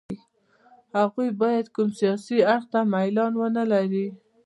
هغوی باید کوم سیاسي اړخ ته میلان ونه لري.